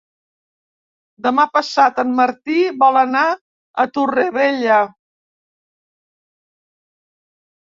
Demà passat en Martí vol anar a Torrevella.